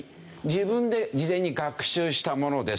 自分で事前に学習したものです。